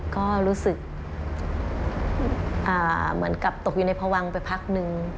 ก็รู้สึกเหมือนกับตกอยู่ในพวังไปพักนึง